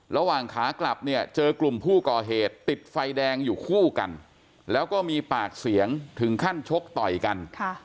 ระหว่างขากลับเนี่ยเจอกลุ่มผู้ก่อเหตุติดไฟแดงอยู่คู่กันแล้วก็มีปากเสียงถึงขั้นชกต่อยกัน